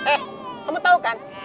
eh kamu tahu gak